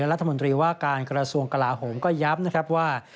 รัฐมนตรีว่าการกระทรวงกลาโหมก็ย้ำนะครับว่า